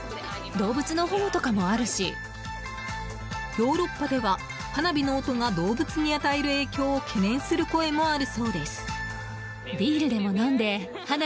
ヨーロッパでは花火の音が動物に与える影響を懸念する声もあるそうです。